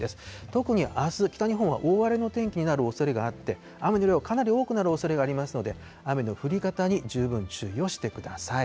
特にあす、北日本は大荒れの天気になるおそれがあって、雨の量、かなり多くなるおそれがありますので、雨の降り方に十分注意をしてください。